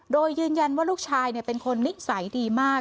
โดยยืนยันว่าลูกชายเป็นคนนิสัยดีมาก